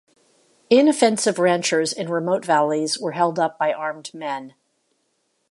Inoffensive ranchers in remote valleys were held up by armed men.